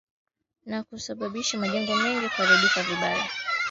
na kusabisha majengo mengi kuharibika vibaya